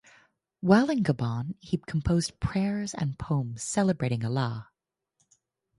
While in Gabon, he composed prayers and poems celebrating Allah.